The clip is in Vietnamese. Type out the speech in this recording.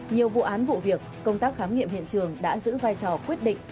nhiều vụ án vụ việc công tác khám nghiệm hiện trường đã giữ vai trò quyết định